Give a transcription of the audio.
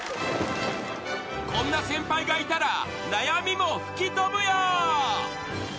［こんな先輩がいたら悩みも吹き飛ぶよ］